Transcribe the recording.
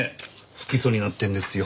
不起訴になってるんですよ。